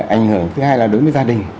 ảnh hưởng thứ hai là đối với gia đình